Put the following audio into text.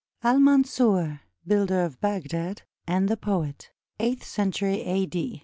AL MANSUR, BUILDER OF BAGDAD, AND THE POET [Eighth century a.d.